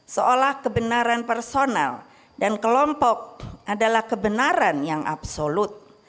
seolah kebenaran personal dan kelompok adalah kebenaran yang absolut